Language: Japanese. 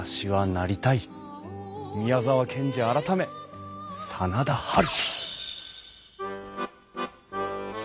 宮沢賢治改め真田ハル。